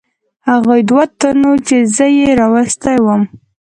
هغو دوو تنو چې زه یې راوستی ووم.